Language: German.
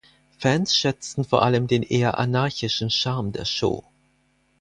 Fans schätzten vor allem den eher anarchischen Charme der Show.